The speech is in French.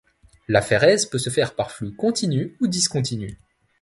L'aphérèse peut se faire par flux continu ou discontinu.